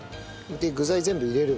で具材全部入れる。